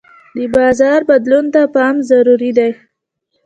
د بازار بدلون ته پام ضروري دی.